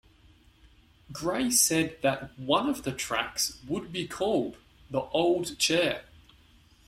Gray said that one of the tracks would be called "The Old Chair".